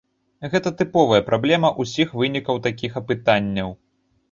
Гэта тыповая праблема ўсіх вынікаў такіх апытанняў.